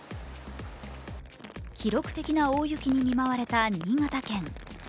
記録的な大雪に見舞われた新潟県。